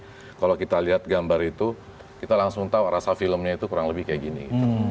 jadi kalau kita lihat gambar itu kita langsung tahu rasa filmnya itu kurang lebih kayak gini